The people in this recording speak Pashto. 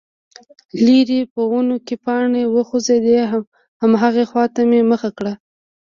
ليرې په ونو کې پاڼې وخوځېدې، هماغې خواته مې مخه کړه،